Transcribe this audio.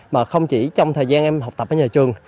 mà không chỉ trong thời gian em học tập ở nhà trường